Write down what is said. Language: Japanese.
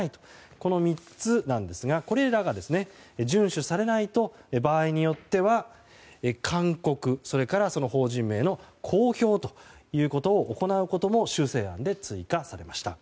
この３つなんですがこれらが順守されないと場合によっては勧告それから法人名の公表ということを行うことも修正案で追加されました。